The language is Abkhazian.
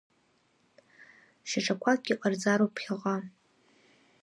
Шьаҿақәакгьы ҟарҵароуп ԥхьаҟа.